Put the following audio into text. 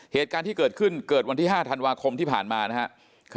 เหตุการณ์ที่เกิดขึ้นเกิดวันที่๕ธันวาคมที่ผ่านมานะครับ